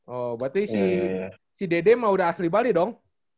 oh berarti si dede mah udah asli bali dong